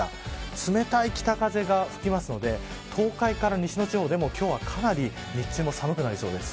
冷たい北風が吹くので東海から西日本の地方では今日はかなり日中、寒くなりそうです。